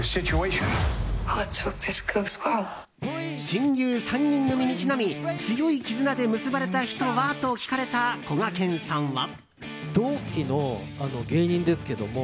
親友３人組にちなみ強い絆で結ばれた人は？と聞かれた、こがけんさんは。